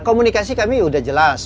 komunikasi kami sudah jelas